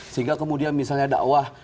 sehingga kemudian misalnya dakwah